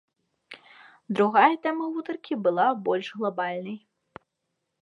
Другая тэма гутаркі была больш глабальнай.